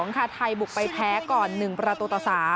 ค่ะไทยบุกไปแพ้ก่อน๑ประตูต่อ๓